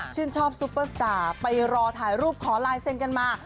ชอบซุปเปอร์สตาร์ไปรอถ่ายรูปขอลายเซ็นกันมา